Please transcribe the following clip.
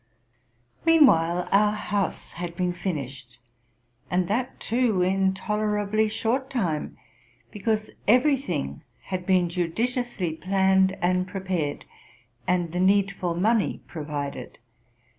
Meanwhile, our house had been finished, and that too in tolerably short time ; because every thing had been judiciously planned and prepared, and the needful money provided.